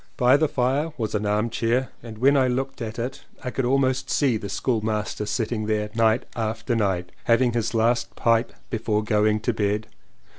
By the fire was an armchair and when I looked at it I could almost see the school master sitting there night after night having his last pipe before going to bed.